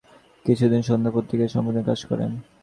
তিনি কিছুদিন "সন্ধ্যা" পত্রিকার সম্পাদকের কাজ করেন।